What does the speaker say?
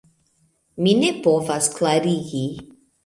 Mi ne povas klarigi